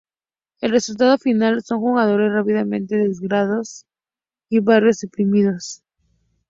El resultado final son lugares rápidamente degradados y barrios deprimidos.